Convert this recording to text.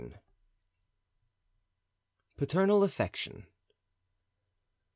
Paternal Affection.